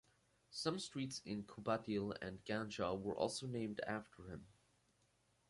Some streets in Qubadli and Ganja were also named after him.